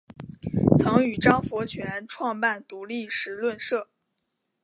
曾与张佛泉创办独立时论社。